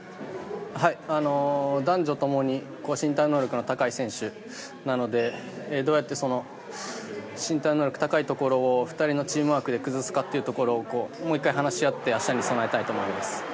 男女共に身体能力の高い選手なのでどうやってその身体能力が高いところを２人のチームワークで崩すかというところをもう１回話し合って明日に備えたいと思います。